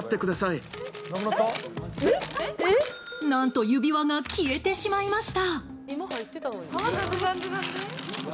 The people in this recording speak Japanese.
何と指輪が消えてしまいました。